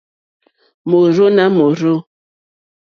Mòrzô nà mòrzô.